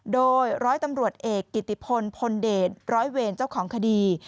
โดยร้อยตำรวจเอกกิติพลพลเดชร้อยเวรเจ้าของคดี